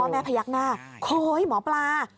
แม่พยักหน้าโค้ยหมอปลา